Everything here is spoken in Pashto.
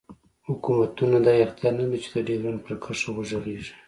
حوکمتونه دا اختیار نه لری چی د ډیورنډ پر کرښه وغږیږی